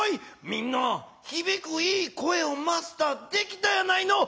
みんなひびくいい声をマスターできたやないの。